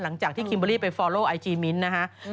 หลังจากที่คิมเบอร์รี่ไปฟอลโลไอจีมิ้นท์นะฮะ